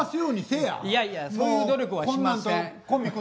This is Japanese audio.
いやいやそういう努力はしません。